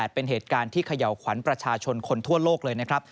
เป็นเหตุการณ์ที่เขย่าขวัญประชาชนคนทั่วโลกเลยนะครับ